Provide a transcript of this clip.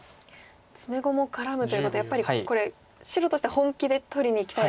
詰碁も絡むということはやっぱりこれ白としては本気で取りにいきたいですか。